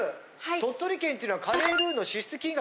鳥取県っていうのはカレールウの支出金額